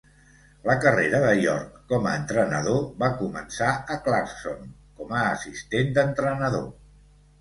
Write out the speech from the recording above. La carrera de York com a entrenador va començar a Clarkson com a assistent d'entrenador.